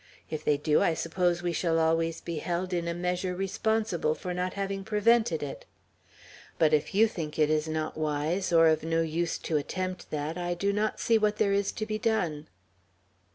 If they do, I suppose we shall always be held in a measure responsible for not having prevented it. But if you think it is not wise, or of no use to attempt that, I do not see what there is to be done."